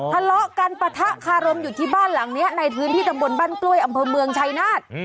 ทะเลาะกันปะทะคารมอยู่ที่บ้านหลังนี้ในพื้นที่ตำบลบ้านกล้วยอำเภอเมืองชายนาฏ